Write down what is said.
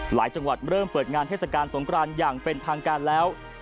จังหวัดเริ่มเปิดงานเทศกาลสงครานอย่างเป็นทางการแล้ว